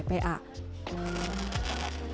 sementara untuk penjualan sampah besar